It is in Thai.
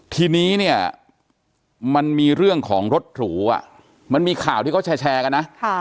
ทีนี้เนี่ยมันมีเรื่องของรถหรูมันมีข่าวที่เขาแชร์กันนะ